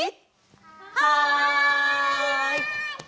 はい！